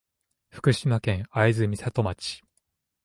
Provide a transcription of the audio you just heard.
福島県会津美里町